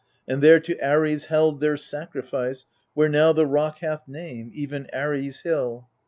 And there to Ares held their sacrifice, Where now the rock hath name, even Ares' Hill.